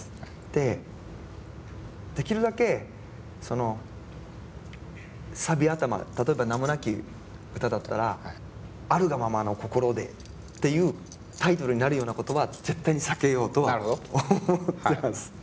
でできるだけそのサビ頭例えば「名もなき詩」だったら「あるがままの心で」っていうタイトルになるようなことは絶対に避けようとは思ってます。